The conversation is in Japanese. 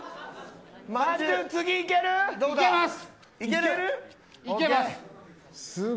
いけます。